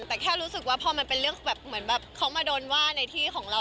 แต่แค่รู้สึกว่าพอมันเป็นเรื่องแบบเหมือนแบบเขามาโดนว่าในที่ของเรา